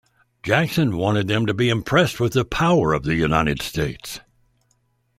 Jackson wanted them to be impressed with the power of the United States.